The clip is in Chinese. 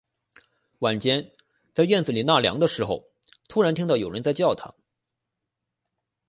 晚间，在院子里纳凉的时候，突然听到有人在叫他